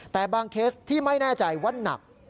แต่บางเคสที่ไม่แน่ใจว่านัก